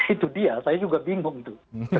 itu dia saya juga bingung tuh